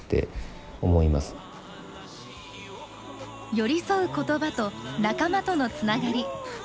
寄り添う言葉と仲間とのつながり。